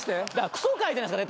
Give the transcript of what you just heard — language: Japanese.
クソ回じゃないですか。